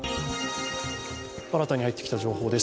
新たに入ってきた情報です。